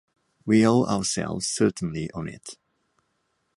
We owe ourselves certainty on it.